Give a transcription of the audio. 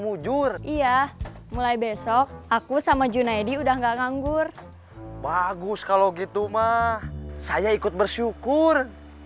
mujur iya mulai besok aku sama junaidi udah nggak nganggur bagus kalau gitu mah saya ikut bersyukur